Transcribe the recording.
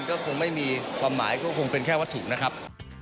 ก็คงไม่มีความหมายก็คงเป็นแค่วัตถุนะครับ